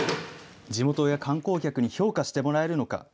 地元や観光客に評価してもらえるのか。